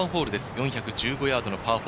４１５ヤードのパー４。